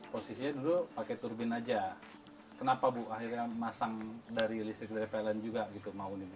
posisinya dulu pakai turbin aja kenapa bu akhirnya masang dari listrik dari pln juga gitu mau ini bu